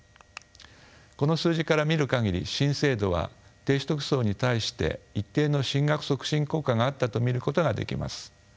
この数字から見る限り新制度は低所得層に対して一定の進学促進効果があったと見ることができます。